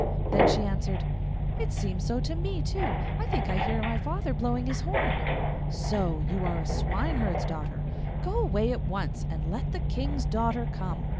Then she answered, 'It seems so to me too; I think I hear my father blowing his horn.' 'So you are a swineherd's daughter! Go away at once, and let the King's daughter come.